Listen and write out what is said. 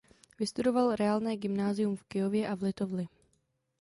Vystudoval reálné gymnázium v Kyjově a v Litovli.